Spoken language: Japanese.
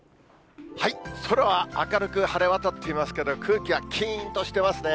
空は明るく晴れ渡っていますけれども、空気はきーんとしてますね。